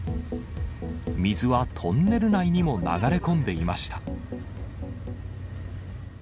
水はトンネル内にも流れ込んでいました。